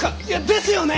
ですよね！